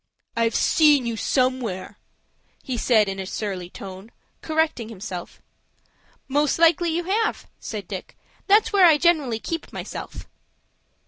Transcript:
"I've seen you somewhere," he said, in a surly tone, correcting himself. "Most likely you have," said Dick. "That's where I generally keep myself."